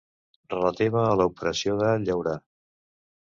Relativa a l'operació de llaurar.